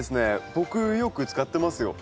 僕よく使ってますよ。